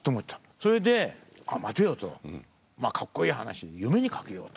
それで「あっ待てよ」と。かっこいい話夢にかけようと。